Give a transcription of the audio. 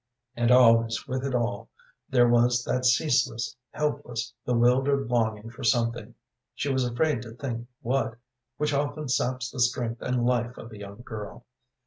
And always with it all there was that ceaseless, helpless, bewildered longing for something, she was afraid to think what, which often saps the strength and life of a young girl.